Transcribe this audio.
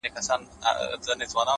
د حقیقت منل ازادي زیاتوي